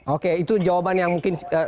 oke itu jawaban yang mungkin